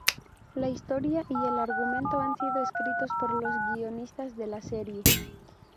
La historia y el argumento han sido escritos por los guionistas de la serie.